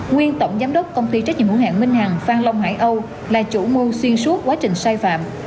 nguyên tổng giám đốc công ty trách nhiệm hữu hạng minh hàng phan long hải âu là chủ mưu xuyên suốt quá trình sai phạm